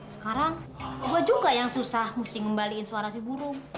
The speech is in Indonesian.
sekarang gua juga yang susah musik ngembalikan suara si burung